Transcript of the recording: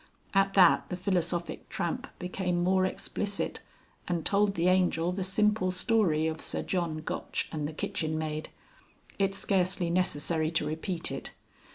At that the Philosophic Tramp became more explicit, and told the Angel the simple story of Sir John Gotch and the kitchen maid. It's scarcely necessary to repeat it.